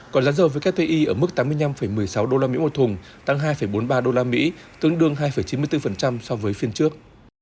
còn giá dầu với các thuê y ở mức tám mươi năm một mươi sáu usd một thùng tăng hai bốn mươi ba usd tương đương hai chín mươi bốn so với phiên trước